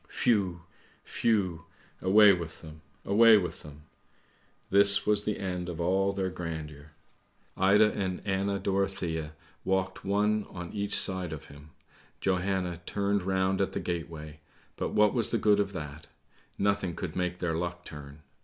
Whew! whew! away with them ! away with them ! This was the end of all their grandeur. THE WIND'S TALE 183 " Ida and Anna Dorothea walked one on each side of him: Johanna turned round in the gateway, but what was the good of that? nothing could make their luck turn.